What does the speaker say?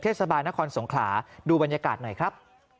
เทศบาลนครสงขลาดูบรรยากาศหน่อยครับ